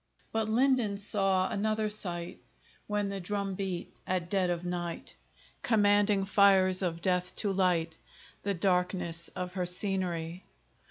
But Linden saw another sight, When the drum beat, at dead of night, Commanding fires of death to light The darkness of her scenery.